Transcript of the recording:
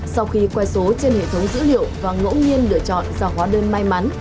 sau khi khoai số trên hệ thống dữ liệu và ngỗ nhiên lựa chọn ra hóa đơn may mắn